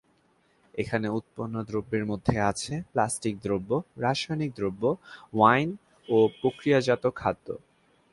এখানে উৎপন্ন দ্রব্যের মধ্যে আছে প্লাস্টিক দ্রব্য, রাসায়নিক দ্রব্য, ওয়াইন ও প্রক্রিয়াজাত খাদ্য।